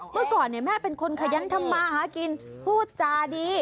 เมื่อก่อนเนี่ยแม่เป็นคนขยันธมาฮะกินพูดจาดี